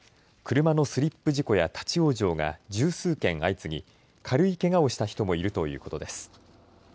車のスリップ事故や立往生が十数件、相次ぎ軽いけがをした人もいるということです。